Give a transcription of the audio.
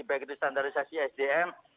baik di standarisasi sdm